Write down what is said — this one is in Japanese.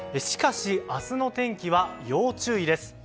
しかし、明日の天気は要注意です。